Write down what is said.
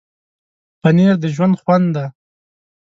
پنېر د ژوند خوند دی.